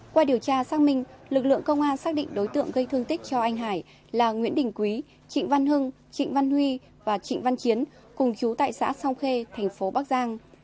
qua điều tra xác minh lực lượng công an xác định đối tượng gây thương tích cho anh hải là nguyễn đình quý trịnh văn hưng trịnh văn huy và trịnh văn chiến cùng chú tại xã song khê thành phố bắc giang